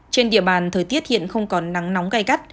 trên địa bàn thời tiết hiện không còn nắng nóng gai gắt